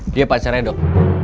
dia pacarnya dok